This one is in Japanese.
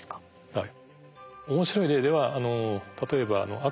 はい。